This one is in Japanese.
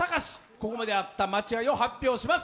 ここまであった間違いを発表します。